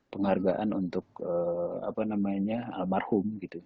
penghargaan untuk apa namanya marhum gitu